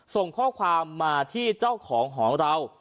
ส่งข้อความมาที่เจ้าของหองเรา